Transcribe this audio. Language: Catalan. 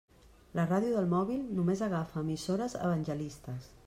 La ràdio del mòbil només agafa emissores evangelistes.